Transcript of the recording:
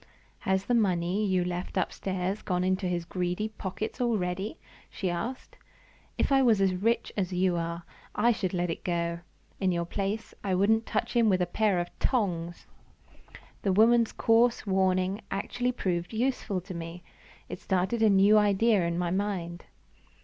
"Has the money you left upstairs gone into his greedy pockets already?" she asked. "If I was as rich as you are, I should let it go. In your place, I wouldn't touch him with a pair of tongs!" The woman's coarse warning actually proved useful to me; it started a new idea in my mind!